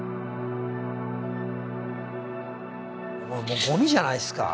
もうゴミじゃないですか。